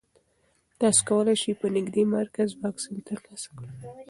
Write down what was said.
تاسو کولی شئ په نږدې مرکز واکسین ترلاسه کړئ.